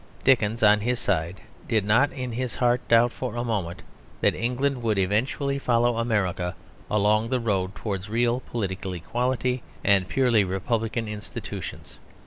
Dickens, on his side, did not in his heart doubt for a moment that England would eventually follow America along the road towards real political equality and purely republican institutions.